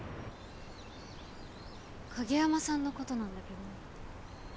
影山さんのことなんだけど。